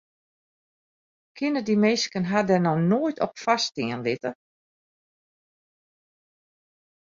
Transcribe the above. Kinne dy minsken har dêr no op foarstean litte?